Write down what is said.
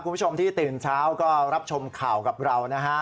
คุณผู้ชมที่ตื่นเช้าก็รับชมข่าวกับเรานะฮะ